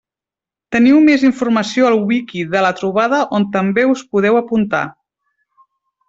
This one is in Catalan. Teniu més informació al Wiki de la trobada on també us podeu apuntar.